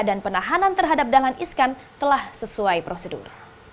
dan penahanan terhadap dalan iskan telah sesuai prosedur